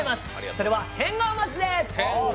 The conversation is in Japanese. それは「変顔マッチ」です。